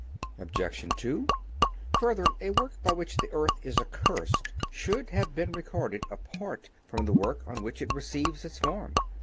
Obj. 2: Further, a work by which the earth is accursed should have been recorded apart from the work by which it receives its form.